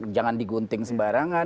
jangan digunting sebarangan